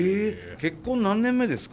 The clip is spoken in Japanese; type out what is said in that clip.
結婚何年目ですか？